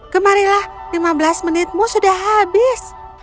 kemarilah lima belas menitmu sudah habis